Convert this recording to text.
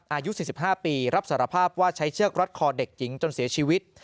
อายุ๔๕ปีรับสารภาพว่าใช้เชือกรัดคอเด็กหญิงจนเสียชีวิต